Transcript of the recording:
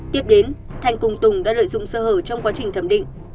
tiếp đến thành cùng tùng đã lợi dụng sơ hở trong quá trình thẩm định